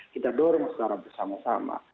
kita dorong secara bersama sama